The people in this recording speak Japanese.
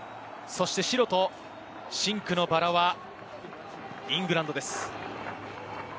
白と真紅のバラはイングランドです。